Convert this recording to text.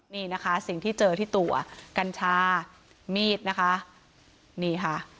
นี่นะคะสิ่งที่เจอที่ตัวกัญชามีดนะคะนี่ค่ะ